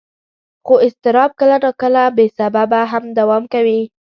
خو اضطراب کله ناکله بې سببه هم دوام کوي.